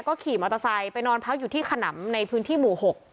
ก็ขี่มอเตอร์ไซค์ไปนอนพักอยู่ที่ขนำในพื้นที่หมู่๖